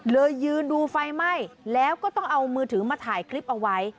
ยืนดูไฟไหม้แล้วก็ต้องเอามือถือมาถ่ายคลิปเอาไว้